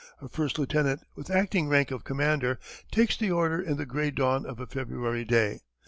A first lieutenant, with acting rank of commander, takes the order in the grey dawn of a February day.